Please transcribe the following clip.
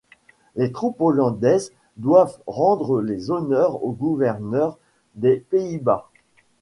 Les troupes hollandaises doivent rendre les honneurs au Gouverneur des Pays-Bas.